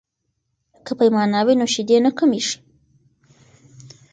که پیمانه وي نو شیدې نه کمیږي.